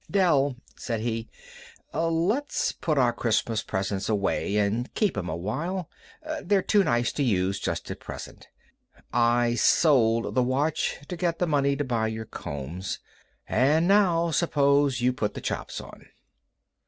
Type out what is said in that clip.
"Dell," said he, "let's put our Christmas presents away and keep 'em a while. They're too nice to use just at present. I sold the watch to get the money to buy your combs. And now suppose you put the chops on."